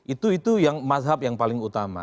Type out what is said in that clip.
itu itu yang mazhab yang paling utama